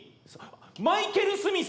マイケル・スミス！